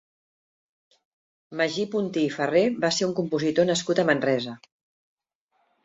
Magí Pontí i Ferrer va ser un compositor nascut a Manresa.